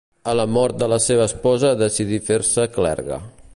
A la mort de la seva esposa decidí fer-se clergue.